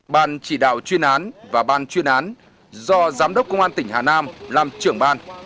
ban chỉ đạo chuyên án và ban chuyên án do giám đốc công an tỉnh hà nam làm trưởng ban